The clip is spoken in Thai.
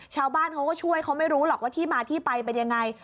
ชาวบ้านเขาก็ช่วยเขาไม่รู้หรอกว่าที่มาที่ไปเป็นยังไง